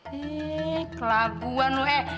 heeh kelakuan lo eh